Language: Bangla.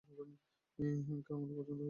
হ্যাংককে আমার পছন্দ হয়েছে।